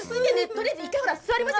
とりあえず一回ほら座りましょ！